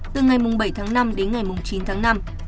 từ ngày bảy tháng năm đến ngày chín tháng năm